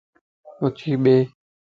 اُڇي بي